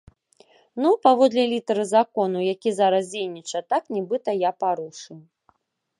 Ну, паводле літары закону, які зараз дзейнічае, так, нібыта я парушыў.